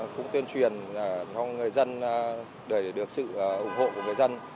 cũng tuyên truyền cho người dân để được sự ủng hộ của người dân